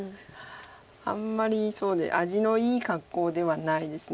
あんまり味のいい格好ではないです。